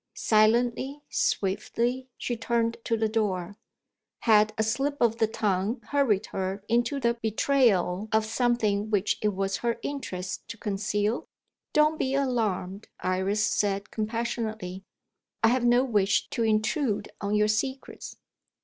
Silently, swiftly, she turned to the door. Had a slip of the tongue hurried her into the betrayal of something which it was her interest to conceal? "Don't be alarmed," Iris said compassionately; "I have no wish to intrude on your secrets."